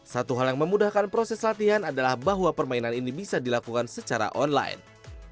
satu hal yang memudahkan proses latihan adalah bahwa permainan ini bisa dilakukan secara online